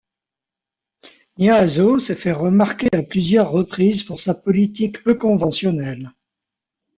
Nyýazow s'est fait remarquer à plusieurs reprises pour sa politique peu conventionnelle.